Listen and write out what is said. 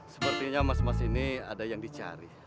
sepertinya mas mas ini ada yang dicari